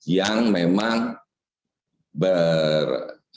yang memang ber